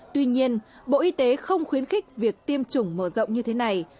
tuy nhiên bộ y tế không khuyến khích việc tiêm chủng mở rộng như thế này